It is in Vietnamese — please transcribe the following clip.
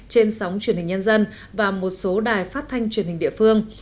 trên sóng truyền hình nhân dân và một số đài phát thanh truyền hình địa phương